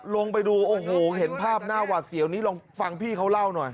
ลงไปดูโอ้โหเห็นภาพหน้าหวาดเสียวนี้ลองฟังพี่เขาเล่าหน่อย